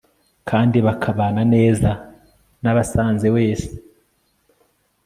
kandi bakabana neza n'ubasanze wese